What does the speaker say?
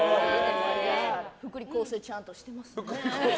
福利厚生ちゃんとしてますから。